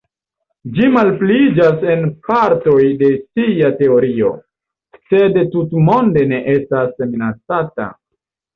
Ĝi malpliiĝas en partoj de sia teritorio, sed tutmonde ne estas minacata.